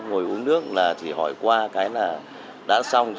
ngồi uống nước là chỉ hỏi qua cái là đã xong